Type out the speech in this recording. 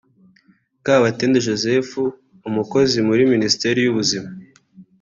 Kabatende Joseph Umukozi muri Minisiteri y’Ubuzima